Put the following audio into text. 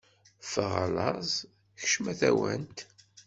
Ffeɣ a laẓ, kcemm a tawant.